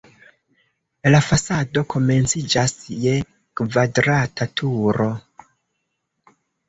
La fasado komenciĝas je kvadrata turo.